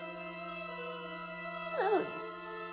なのに。